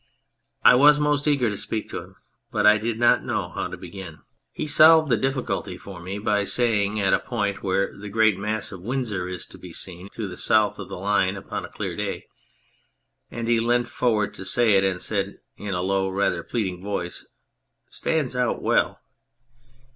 I was most eager to speak to him, but I did not know how to begin. He solved the difficulty for 113 i On Anything me by saying at a point where the great mass of Windsor is to be seen to the south of the line upon a clear day (and lie leant forward to say it and said it in a low, rather pleading voice) :" Stands out well